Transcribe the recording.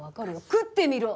食ってみろ！」